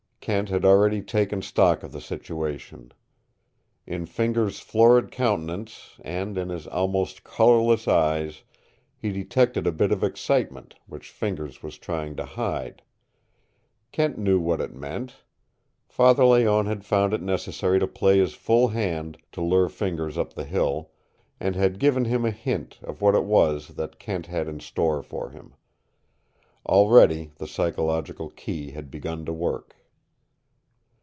Kent had already taken stock of the situation. In Fingers' florid countenance and in his almost colorless eyes he detected a bit of excitement which Fingers was trying to hide. Kent knew what it meant. Father Layonne had found it necessary to play his full hand to lure Fingers up the hill, and had given him a hint of what it was that Kent had in store for him. Already the psychological key had begun to work.